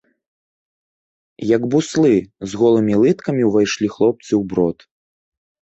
Як буслы, з голымі лыткамі ўвайшлі хлопцы ў брод.